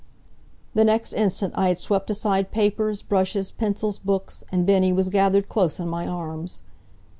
The next instant I had swept aside papers, brushes, pencils, books, and Bennie was gathered close in my arms.